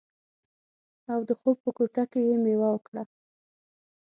او د خوب په کوټه کې یې میوه وکړه